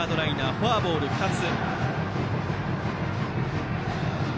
フォアボール２つ。